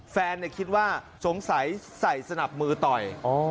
คิดว่าสงสัยใส่สนับมือต่อย